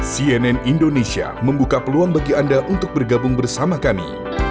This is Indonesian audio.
cnn indonesia membuka peluang bagi anda untuk bergabung bersama kami